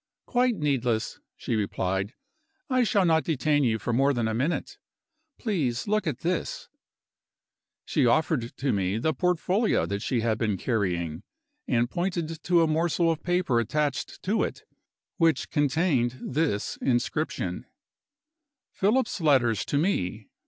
"Quite needless," she replied; "I shall not detain you for more than a minute. Please look at this." She offered to me the portfolio that she had been carrying, and pointed to a morsel of paper attached to it, which contained this inscription: "Philip's Letters To Me.